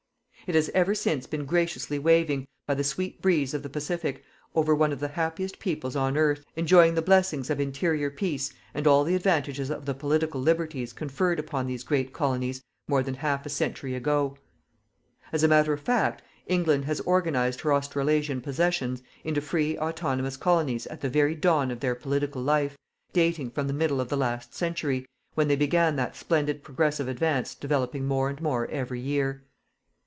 It has ever since been graciously waving, by the sweet breeze of the Pacific, over one of the happiest peoples on earth, enjoying the blessings of interior peace and all the advantages of the political liberties conferred upon these great colonies, more than half a century ago. As a matter of fact, England has organized her Australasian possessions into free autonomous colonies at the very dawn of their political life, dating from the middle of the last century, when they began that splendid progressive advance developing more and more every year.